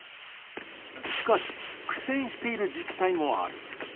しかし、苦戦している自治体もある。